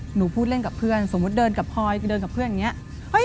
หนูพูดเล่นกับเพื่อนสมมุติเดินกับพลอยเดินกับเพื่อนอย่างนี้